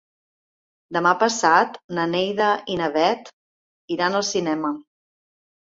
Demà passat na Neida i na Bet iran al cinema.